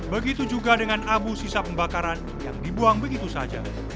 begitu juga dengan abu sisa pembakaran yang dibuang begitu saja